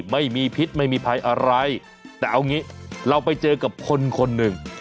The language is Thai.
ไม่มีพิษไม่มีภัยอะไรแต่เอางี้เราไปเจอกับคนคนหนึ่ง